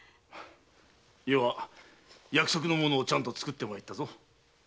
余は約束の物をちゃんと作ってまいったぞ。